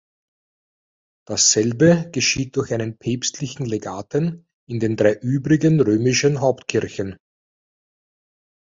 Dasselbe geschieht durch einen Päpstlichen Legaten in den drei übrigen römischen Hauptkirchen.